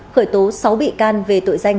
khởi tố sáu bị can về tội danh